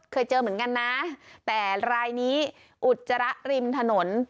เคยเจอเหมือนกันนะแต่รายนี้อุจจาระริมถนน